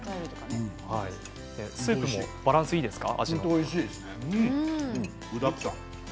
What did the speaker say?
スープもバランスいいですか？